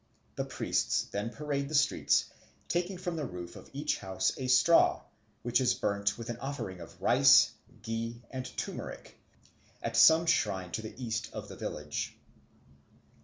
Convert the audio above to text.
The priests then parade the streets, taking from the roof of each house a straw, which is burnt with an offering of rice, ghee, and turmeric, at some shrine to the east of the village.